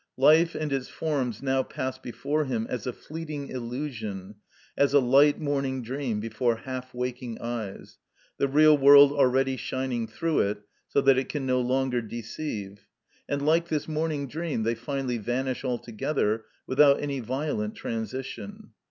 Life and its forms now pass before him as a fleeting illusion, as a light morning dream before half waking eyes, the real world already shining through it so that it can no longer deceive; and like this morning dream, they finally vanish altogether without any violent transition.